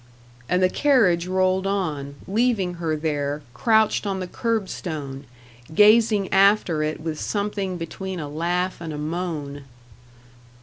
And the carriage rolled on, leaving her there, crouched on the kerbstone, gazing after it with something between a laugh and a moan.